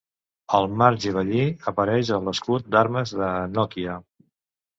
El mart gibelí apareix a l'escut d'armes de Nokia.